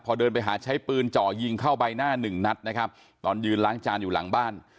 พอเดินไปหาใช้ปืนจ่อยิงเข้าใบหน้าหนึ่งนัดนะครับตอนยืนล้างจานอยู่หลังบ้าน